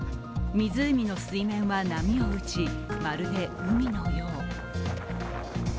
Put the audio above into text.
湖の水面は波を打ち、まるで海のよう。